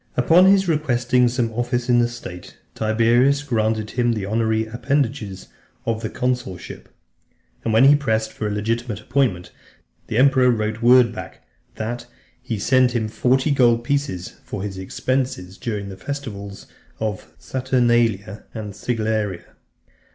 V. Upon his requesting some office in the state, Tiberius granted him the honorary appendages of the consulship, and when he pressed for a legitimate appointment, the emperor wrote word back, that "he sent him forty gold pieces for his expenses, during the festivals of the Saturnalia and Sigillaria."